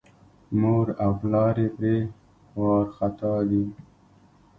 مور او پلار یې پرې وارخطا دي.